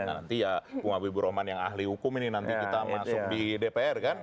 nanti ya bung habibur rahman yang ahli hukum ini nanti kita masuk di dpr kan